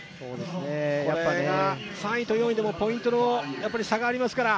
３位と４位でもポイントの差がありますから。